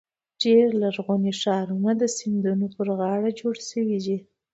ډېری لرغوني ښارونه د سیندونو پر غاړو جوړ شوي دي.